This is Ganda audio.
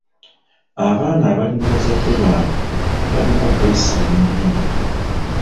Abaana abali me bazadde baabwe balina okwesiima ennyo.